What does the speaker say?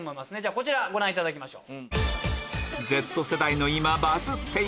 こちらご覧いただきましょう。